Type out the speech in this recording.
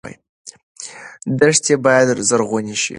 دښتې باید زرغونې شي.